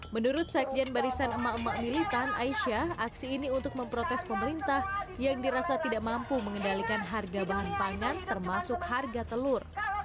menurut sekjen barisan emak emak militan aisyah aksi ini untuk memprotes pemerintah yang dirasa tidak mampu mengendalikan harga bahan pangan termasuk harga telur